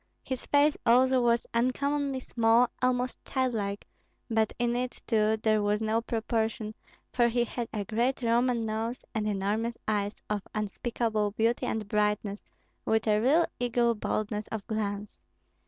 His face, also, was uncommonly small, almost childlike; but in it, too, there was no proportion, for he had a great Roman nose and enormous eyes of unspeakable beauty and brightness, with a real eagle boldness of glance.